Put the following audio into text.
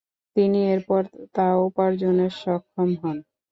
তিনি এরপর তা উপার্জনে সক্ষম হন।